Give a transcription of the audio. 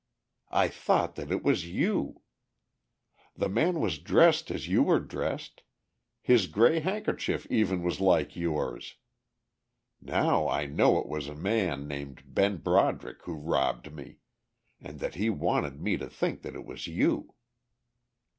I thought that it was you! The man was dressed as you were dressed, his grey handkerchief even was like yours. Now I know it was a man named Ben Broderick who robbed me, and that he wanted me to think that it was you.